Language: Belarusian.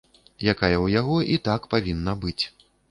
Якая ў яго і так павінна быць.